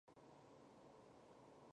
山噪鹛。